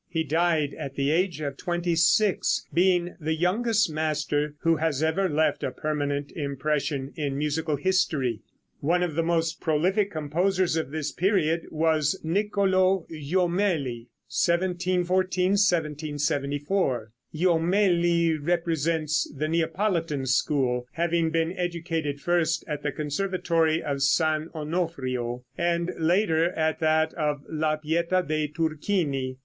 He died at the age of twenty six, being the youngest master who has ever left a permanent impression in musical history. One of the most prolific composers of this period was Nicolo Jomelli (1714 1774). Jomelli represents the Neapolitan school, having been educated first at the conservatory of San Onofrio, and later at that of "La Pieta de' Turchini."